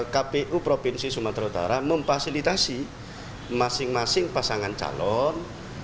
kpu provinsi sumatera utara memfasilitasi masing masing pasangan calon